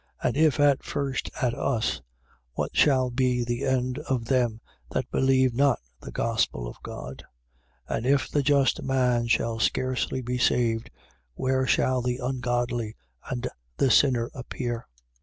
And if at first at us, what shall be the end of them that believe not the gospel of God? 4:18. And if the just man shall scarcely be saved, where shall the ungodly and the sinner appear?